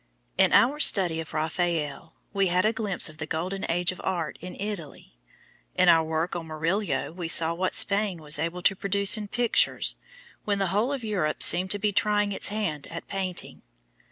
In our study of Raphael, we had a glimpse of the golden age of art in Italy. In our work on Murillo, we saw what Spain was able to produce in pictures when the whole of Europe seemed to be trying its hand at painting.